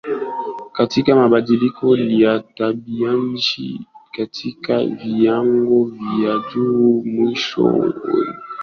katika mabadiliko ya tabianchi katika viwango vya juu Mwishowe ni